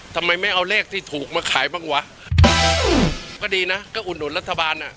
ทำไมไม่เอาเลขที่ถูกมาขายบ้างวะก็ดีนะก็อุดหนุนรัฐบาลอ่ะ